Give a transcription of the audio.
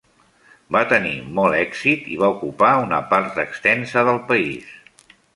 Va tenir molt èxit i va ocupar una part extensa del país.